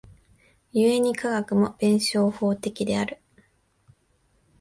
故に科学も弁証法的である。